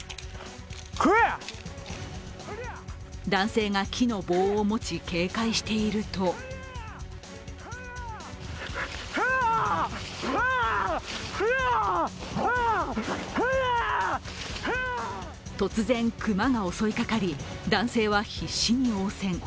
男性が木の棒を持ち、警戒していると突然、熊が襲いかかり男性は必死に応戦。